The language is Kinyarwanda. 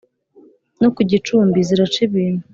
no ku gicumbi ziraca ibintu